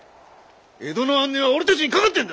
江戸の安寧は俺たちにかかってんだ！